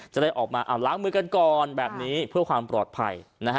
จะได้ออกมาล้างมือกันก่อนแบบนี้เพื่อความปลอดภัย